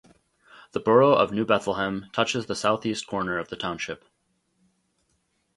The borough of New Bethlehem touches the southeast corner of the township.